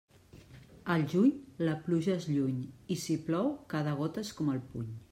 Al juny, la pluja és lluny, i si plou, cada gota és com el puny.